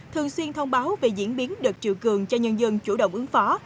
thường xuyên thông báo về diễn biến đợt triều cường cho nhân dân chủ động ứng phó